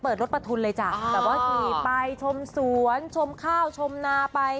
รถประทุนเลยจ้ะแต่ว่าขี่ไปชมสวนชมข้าวชมนาไป